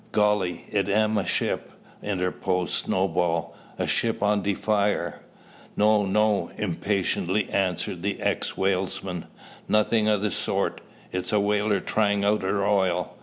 "Golly! it am a ship," interposed Snowball, "a ship on de fire!" "No! no!" impatiently answered the ex whalesman, "nothing o' the sort. It's a whaler `tryin' out' her oil.